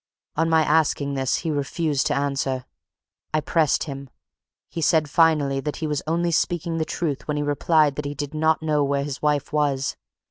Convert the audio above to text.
On my asking this, he refused to answer. I pressed him he said finally that he was only speaking the truth when he replied that he did not know where his wife was.